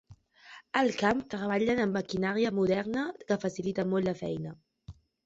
Al camp treballen amb maquinària moderna que facilita molt la feina.